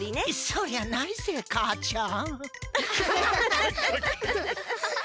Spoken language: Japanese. そりゃないぜかあちゃん！